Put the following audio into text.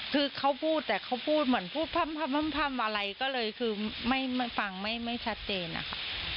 คือเค้าพูดแต่เค้าพูดเหมือนพูดพันอะไรก็เลยคือฟังไม่ชัดเจนอ่ะค่ะ